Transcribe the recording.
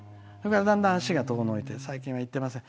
だんだん足が遠のいて最近は行ってません。